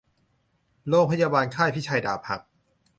โรงพยาบาลค่ายพิชัยดาบหัก